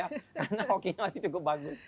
karena hoki masih cukup bagus